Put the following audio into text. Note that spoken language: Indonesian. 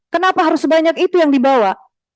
kenapa harus sebanyak itu yang dibawa